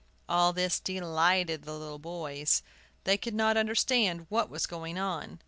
All this delighted the little boys. They could not understand what was going on.